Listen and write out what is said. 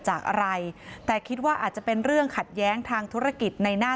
จากอะไรแต่คิดว่าอาจจะเป็นเรื่องขัดแย้งทางธุรกิจในหน้า